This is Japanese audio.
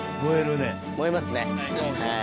燃えますね。